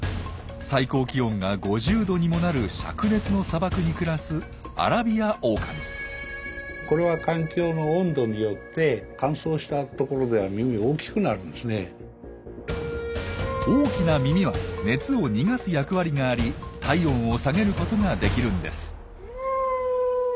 最高気温が５０度にもなるしゃく熱の砂漠に暮らす大きな耳は熱を逃がす役割があり体温を下げることができるんです。